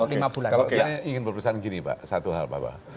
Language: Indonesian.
kalau saya ingin berperan gini pak satu hal pak